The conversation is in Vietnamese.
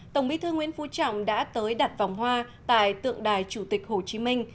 tổng bí thư nguyễn phú trọng đã tới đặt vòng hoa tại tượng đài chủ tịch hồ chí minh